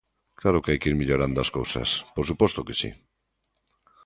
Claro que hai que ir mellorando cousas, por suposto que si.